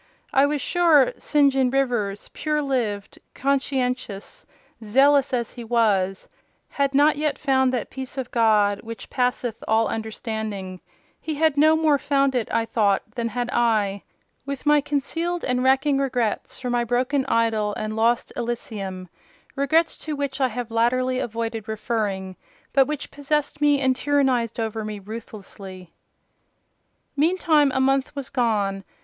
I was sure St. John Rivers—pure lived, conscientious, zealous as he was—had not yet found that peace of God which passeth all understanding: he had no more found it, I thought, than had I with my concealed and racking regrets for my broken idol and lost elysium—regrets to which I have latterly avoided referring, but which possessed me and tyrannised over me ruthlessly. Meantime a month was gone.